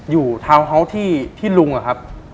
ทาวน์เฮาส์ที่ลุงอะครับ